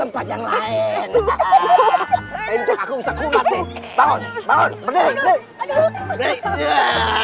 hehehehe ini yang aku cari teko teko hehehe